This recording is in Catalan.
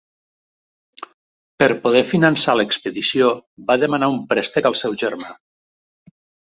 Per poder finançar l'expedició va demanar un préstec al seu germà.